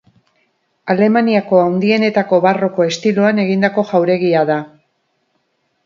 Alemaniako handienetako Barroko estiloan egindako Jauregia da.